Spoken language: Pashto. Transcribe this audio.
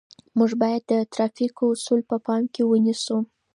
موږ باید د ترافیکو اصول په پام کې ونیسو.